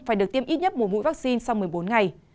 phải được tiêm ít nhất một mũi vaccine sau một mươi bốn ngày